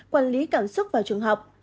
quản lý cảm xúc vào trường học